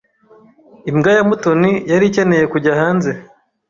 Imbwa ya Mutoni yari ikeneye kujya hanze.